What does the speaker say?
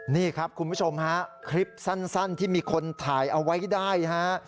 นี่ครับคุณผู้ชมฮะคลิปสั้นที่มีคนถ่ายเอาไว้ได้ฮะ